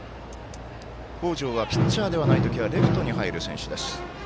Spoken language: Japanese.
北條はピッチャーではない時はレフトに入る選手です。